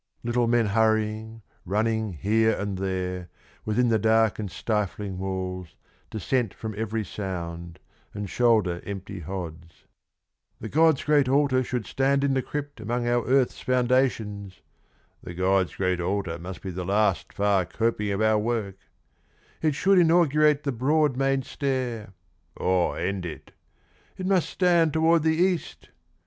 Little men hurrying, running here and there, Within the dark and stifling walls, dissent From every sound, and shoulder empty hods :" The God's great altar should stand in the crypt Among our earth's foundations "—" The God's great altar Must be the last far coping of our work "" It should inaugurate the broad main stair "" Or end it "—" It must stand toward the East